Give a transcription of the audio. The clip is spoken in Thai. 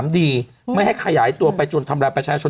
๓ดีไม่ให้ขยายตัวไปจนทำราภัยชายชน